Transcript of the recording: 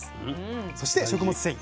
そして食物繊維。